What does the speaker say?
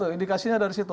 indikasinya dari situ